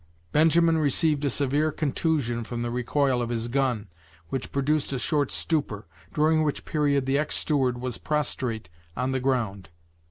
Benjamin received a severe contusion from the recoil of his gun, which produced a short stupor, during which period the ex steward was prostrate on the ground.